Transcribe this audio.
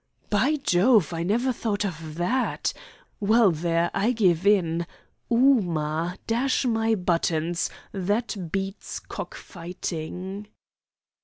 "By Jove! I never thought of that. Well, there, I give in. Ooma! Dash my buttons, that beats cock fighting!"